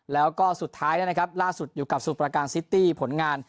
แล้วก็สุดท้ายแล้วนะครับล่าสุดอยู่กับสมุทรประการซิตี้ผลงาน